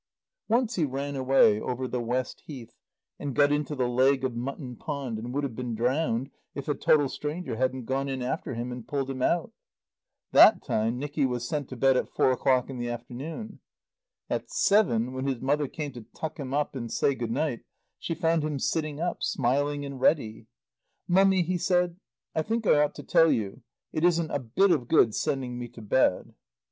Once he ran away over the West Heath, and got into the Leg of Mutton Pond, and would have been drowned if a total stranger hadn't gone in after him and pulled him out. That time Nicky was sent to bed at four o'clock in the afternoon. At seven, when his mother came to tuck him up and say Good night, she found him sitting up, smiling and ready. "Mummy," he said, "I think I ought to tell you. It isn't a bit of good sending me to bed."